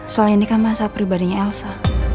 soalnya ini kan masa pribadinya elsa